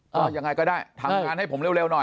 ก็ยังไงก็ได้ทำงานให้ผมเร็วหน่อย